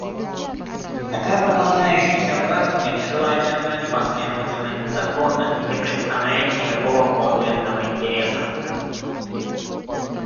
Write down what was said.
Такая продолжающаяся практика нежелательна, непоследовательна, незаконна и не представляет никакого подлинного интереса.